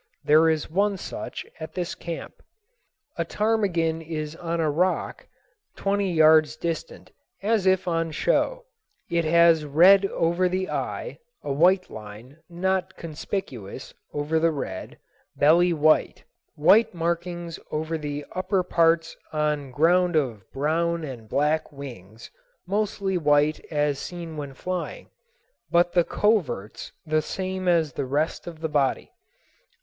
There is one such at this camp. A ptarmigan is on a rock twenty yards distant, as if on show. It has red over the eye, a white line, not conspicuous, over the red, belly white, white markings over the upper parts on ground of brown and black wings, mostly white as seen when flying, but the coverts the same as the rest of the body.